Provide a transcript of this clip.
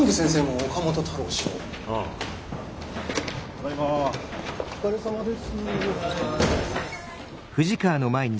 お疲れさまです。